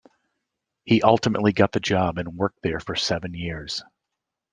He ultimately got the job and worked there for seven years.